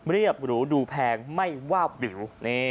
เรียบหรูดูแพงไม่วาบวิว